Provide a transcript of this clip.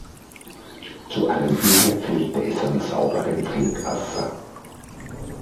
Zu allem Übel fehlte es an sauberem Trinkwasser.